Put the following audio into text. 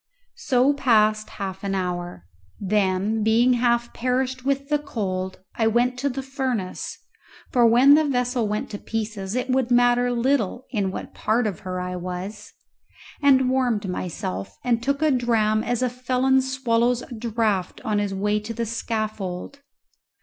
So passed half an hour; then, being half perished with the cold, I went to the furnace, for when the vessel went to pieces it would matter little in what part of her I was, and warmed myself and took a dram as a felon swallows a draught on his way to the scaffold.